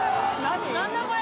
何だこれ！？